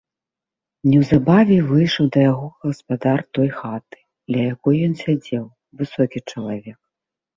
Неўзабаве выйшаў да яго гаспадар той хаты, ля якое ён сядзеў, высокі чалавек.